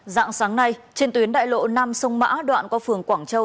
dạng sáng nay trên tuyến đại lộ năm sông mã đoạn qua phường quảng châu